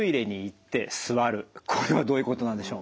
これはどういうことなんでしょう？